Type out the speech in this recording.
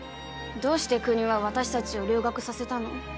どうして国は私たちを留学させたの？